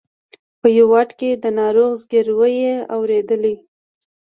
په یوه واټ کې د یوه ناروغ زګېروی یې واورېدل.